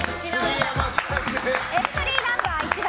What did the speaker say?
エントリーナンバー１番